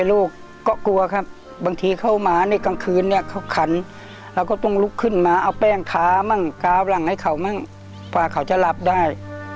ลูกก็กลัวครับบางทีเข้ามาในกลางคืนเนี่ยเขาขันเราก็ต้องลุกขึ้นมาเอาแป้งขามั่งกาวหลังให้เขามั่งกว่าเขาจะหลับได้